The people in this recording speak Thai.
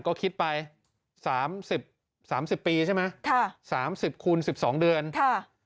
ก็คิดไปสามสิบสามสิบปีใช่ไหมค่ะสามสิบคูณสิบสองเดือนค่ะ